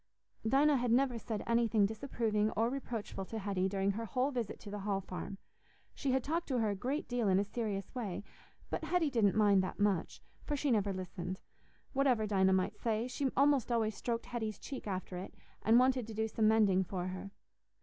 Dinah had never said anything disapproving or reproachful to Hetty during her whole visit to the Hall Farm; she had talked to her a great deal in a serious way, but Hetty didn't mind that much, for she never listened: whatever Dinah might say, she almost always stroked Hetty's cheek after it, and wanted to do some mending for her.